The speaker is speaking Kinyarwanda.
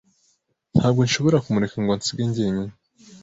Ntabwo nashoboye kumureka ngo ansige jyenyine.